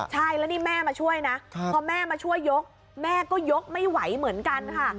ใช่แล้วนี่แม่มาช่วยนะพอแม่มาช่วยยกแม่ก็ยกไม่ไหวเหมือนกันค่ะ